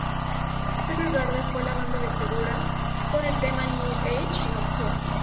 Secret Garden fue la banda vencedora con el tema new-age ""Nocturne"".